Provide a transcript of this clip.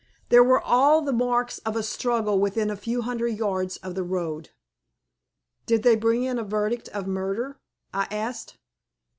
There were all the marks of a struggle within a few hundred yards of the road." "Did they bring in a verdict of murder?" I asked.